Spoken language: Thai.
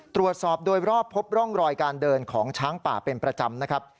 ตรวจสอบโดยรอบพบร่องรอยการเดินของช้างป่าเป็นประจำนะครับ